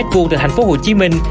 từ thành phố hồ chí minh